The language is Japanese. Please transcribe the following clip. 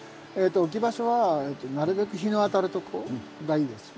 置き場所はなるべく日の当たるとこがいいです。